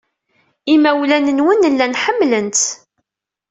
Imawlan-nwen llan ḥemmlen-tt.